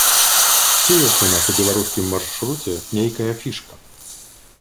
Ці ёсць у нас у беларускім маршруце нейкая фішка?